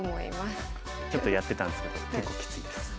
ちょっとやってたんですけど結構きついです。